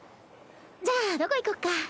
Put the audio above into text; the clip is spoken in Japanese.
じゃあどこ行こっか？